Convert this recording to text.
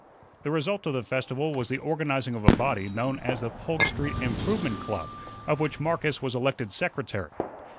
The result of the festival was the organizing of a body known as the "Polk Street Improvement Club," of which Marcus was elected secretary.